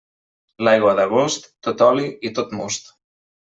L'aigua d'agost, tot oli i tot most.